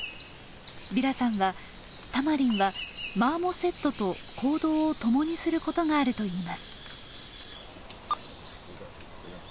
ビラさんはタマリンはマーモセットと行動を共にすることがあると言います。